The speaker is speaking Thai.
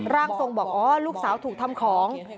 ร่างทรงบอกอ๋อลูกสาวถูกทำของ